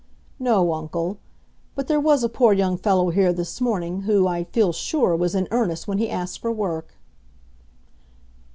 "No, uncle; but there was a poor young fellow here this morning who, I feel sure, was in earnest when he asked for work."